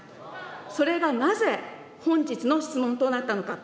それがなぜ、本日の質問となったのか。